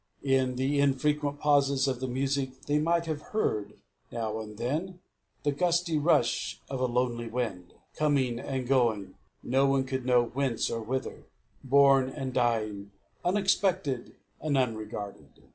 In the unfrequent pauses of the music, they might have heard, now and then, the gusty rush of a lonely wind, coming and going no one could know whence or whither, born and dying unexpected and unregarded.